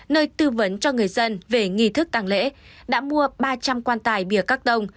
nơi tư vấn cho người dân về nghi thức tàng lễ đã mua ba trăm linh quan tài bìa cắt tông